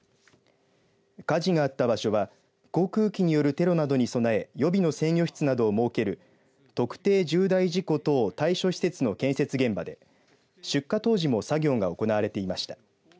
火事があった場所は航空機によるテロなどに備え予備の制御室などを設ける特定重大事故等対処施設の建設現場で出火当時も作業が行われていました。